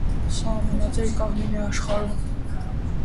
Սա ամենածեր կաղնին է աշխարհում։